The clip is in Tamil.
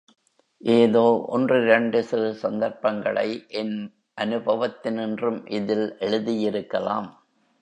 ஏதோ ஒன்றிரண்டு சிறு சந்தர்ப்பங்களை என் அனுபவத்தினின்றும் இதில் எழுதியிருக்கலாம்.